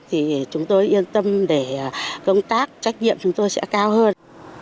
thì chúng tôi yên tâm để công tác trách nhiệm chúng tôi sẽ cao hơn